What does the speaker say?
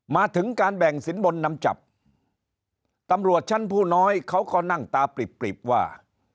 มาถึงการแบ่งสินบนนำจับตำรวจชั้นผู้น้อยเขาก็นั่งตาปริบว่า